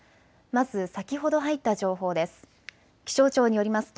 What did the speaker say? まず先ほど入った情報です。